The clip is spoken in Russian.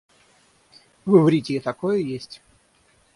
В иврите и такое есть?